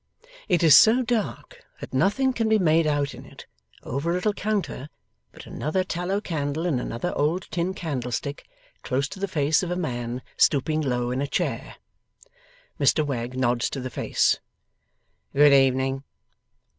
It is so dark that nothing can be made out in it, over a little counter, but another tallow candle in another old tin candlestick, close to the face of a man stooping low in a chair. Mr Wegg nods to the face, 'Good evening.